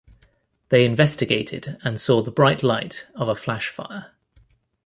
They investigated and saw the bright light of a flash fire.